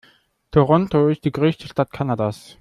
Toronto ist die größte Stadt Kanadas.